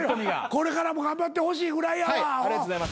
これからも頑張ってほしいぐらいやわ。